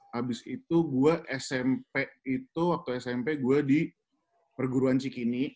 habis itu gue smp itu waktu smp gue di perguruan cikini